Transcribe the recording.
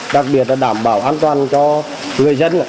đặc biệt là đảm bảo an toàn cho người dân